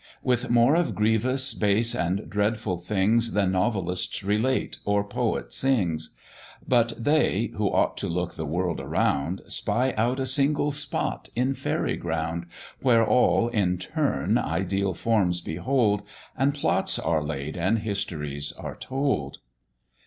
With more of grievous, base, and dreadful things, Than novelists relate or poet sings: But they, who ought to look the world around, Spy out a single spot in fairy ground; Where all, in turn, ideal forms behold, And plots are laid and histories are told.